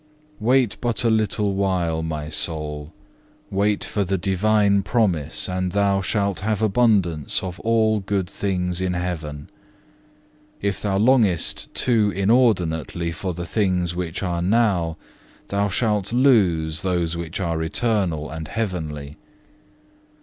Wait but a little while, my soul, wait for the Divine promise, and thou shalt have abundance of all good things in heaven. If thou longest too inordinately for the things which are now, thou shalt lose those which are eternal and heavenly.